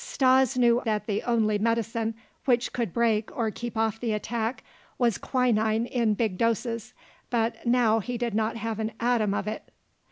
Stas knew that the only medicine which could break or keep off the attack was quinine in big doses, but now he did not have an atom of it.